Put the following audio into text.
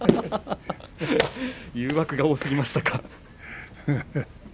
誘惑が多すぎましたか。